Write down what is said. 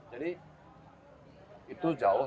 jadi itu jauh